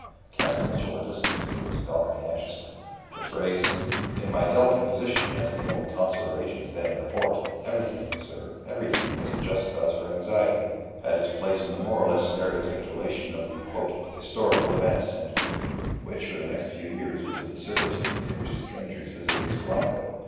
Captain Mitchell had listened to it from his balcony anxiously. The phrase, "In my delicate position as the only consular agent then in the port, everything, sir, everything was a just cause for anxiety," had its place in the more or less stereotyped relation of the "historical events" which for the next few years was at the service of distinguished strangers visiting Sulaco.